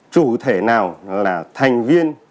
chủ thể nào là thành viên